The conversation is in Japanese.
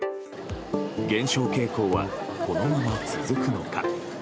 減少傾向は、このまま続くのか。